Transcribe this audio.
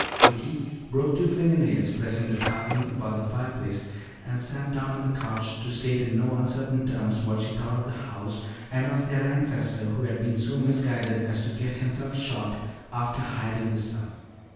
Ricky broke two fingernails pressing the carving about the fireplace and sat down on the couch to state in no uncertain terms what she thought of the house, and of their ancestor who had been so misguided as to get himself shot after hiding the stuff.